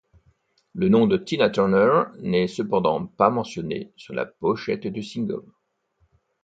Le nom de Tina Turner n'est cependant pas mentionné sur la pochette du single.